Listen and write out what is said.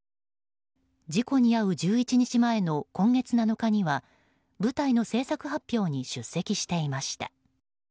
事故に遭う１１日前の今月７日には舞台の制作発表に出席していました。